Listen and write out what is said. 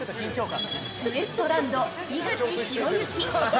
ウエストランド井口浩之！